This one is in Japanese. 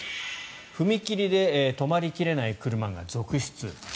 踏切で止まり切れない車が続出。